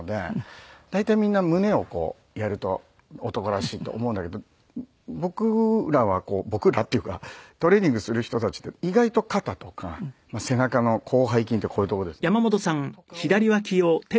大体みんな胸をこうやると男らしいと思うんだけど僕らは僕らっていうかトレーニングする人たちって意外と肩とか背中の広背筋ってこういう所ですね。とかをやりだすと。